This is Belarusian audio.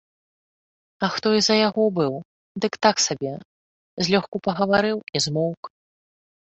А хто і за яго быў, дык так сабе, злёгку пагаварыў і змоўк.